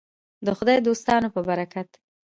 د خدای دوستانو په برکت.